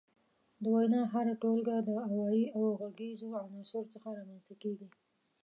د وينا هره ټولګه د اوايي او غږيزو عناصرو څخه رامنځ ته کيږي.